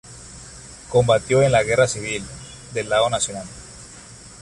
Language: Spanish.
Combatió en la Guerra Civil, del lado nacional.